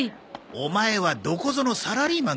オマエはどこぞのサラリーマンか。